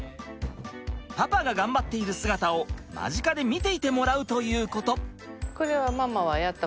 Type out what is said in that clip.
パパががんばっている姿を間近で見ていてもらうということ。